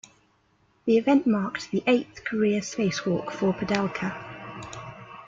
The event marked the eighth career spacewalk for Padalka.